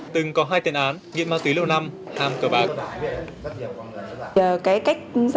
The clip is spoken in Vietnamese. từng có hai tên án nghiện ma túy lâu năm ham cờ bạc